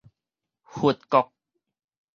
佛國